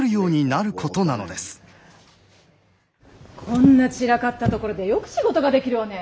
こんな散らかった所でよく仕事ができるわね。